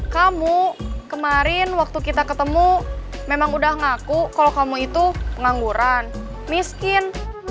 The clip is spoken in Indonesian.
kamu kemarin waktu kita ketemu memang udah ngaku kalau kamu itu pengangguran miskin